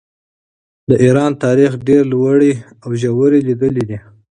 د ایران تاریخ ډېرې لوړې او ژورې لیدلې دي.